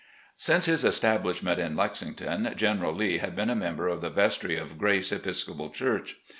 Since his establishment in Lexington, General Lee had been a member of the vestry of Grace (Episcopal) church.